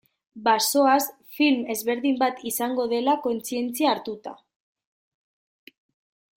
Bazoaz, film ezberdin bat izango dela kontzientzia hartuta.